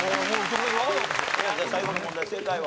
最後の問題正解は？